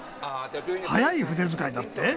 速い筆遣いだって？